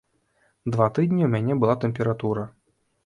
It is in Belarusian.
Два тыдні ў мяне была тэмпература.